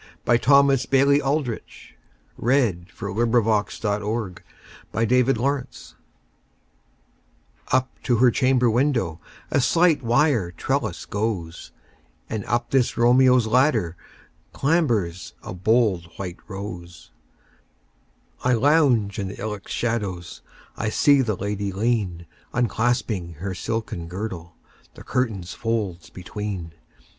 1912. Thomas Bailey Aldrich 1836–1907 Thomas Bailey Aldrich 193 Nocturne UP to her chamber windowA slight wire trellis goes, And up this Romeo's ladderClambers a bold white rose.I lounge in the ilex shadows,I see the lady lean, Unclasping her silken girdle, The curtain's folds between.